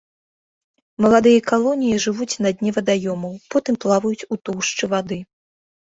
Маладыя калоніі жывуць на дне вадаёмаў, потым плаваюць у тоўшчы вады.